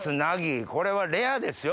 これはレアですよ